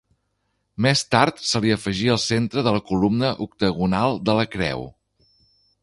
Més tard se li afegí al centre la columna octogonal de la creu.